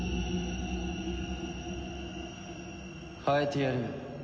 変えてやるよ。